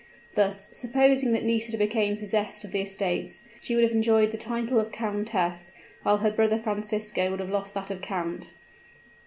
Thus, supposing that Nisida became possessed of the estates, she would have enjoyed the title of countess, while her brother Francisco would have lost that of count.